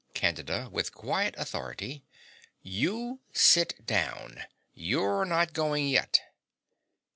CANDIDA (with quiet authority). You sit down. You're not going yet.